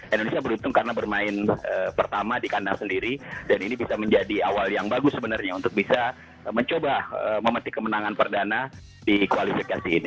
indonesia beruntung karena bermain pertama di kandang sendiri dan ini bisa menjadi awal yang bagus sebenarnya untuk bisa mencoba memetik kemenangan perdana di kualifikasi ini